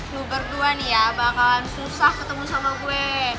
lu berdua nih ya bakalan susah ketemu sama gue